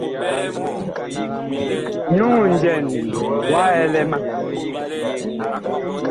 Nyuŋ njɛn wa ɛlɛ ma.